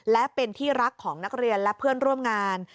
และเป็นที่รักของนักเรียนและเพื่อนร่วมงาน